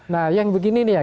nah yang begini nih ya